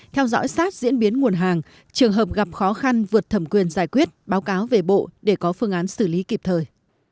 theo dõi sát diễn biến nguồn hàng trường hợp gặp khó khăn vượt thẩm quyền giải quyết báo cáo về bộ để có phương án xử lý kịp thời